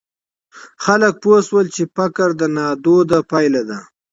خلګ پوه سول چي فقر د نادودو پایله ده.